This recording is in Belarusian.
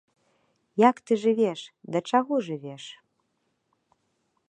Як ты жывеш, да чаго жывеш?